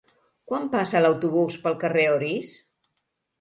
Quan passa l'autobús pel carrer Orís?